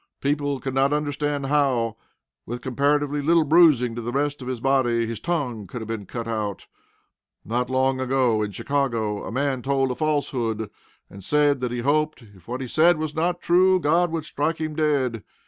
People could not understand how, with comparatively little bruising of the rest of his body, his tongue could have been cut out. Not long ago, in Chicago, a man told a falsehood, and said that he hoped, if what he said was not true, God would strike him dead.